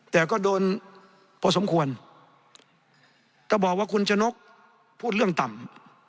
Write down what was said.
แต่ก็โดนพอสมควรถ้าบอกว่าคุณชะนกพูดเรื่องต่ำ